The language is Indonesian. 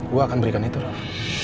gue akan berikan itu raff